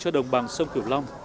một trăm linh đồng bằng sông cửu long